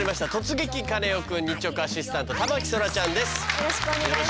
よろしくお願いします。